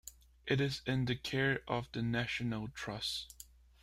It is in the care of the National Trust.